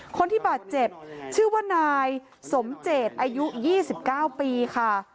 คนที่บาดเจ็บชื่อว่านายสมเจตอายุ๒๙ปีค่ะ